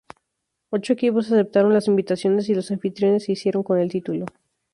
Ocho equipos aceptaron las invitaciones y los anfitriones se hicieron con el título.